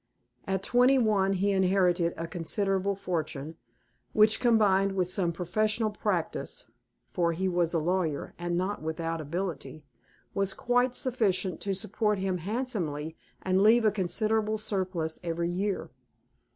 At twenty one he inherited a considerable fortune, which, combined with some professional practice (for he was a lawyer, and not without ability), was quite sufficient to support him handsomely, and leave a considerable surplus every year.